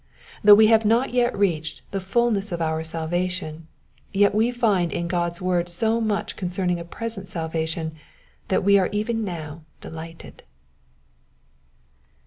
Though we have not yet reached the fulness of our salvation, yet we find in God's word so much concerning a present salvation that we are even now delighted.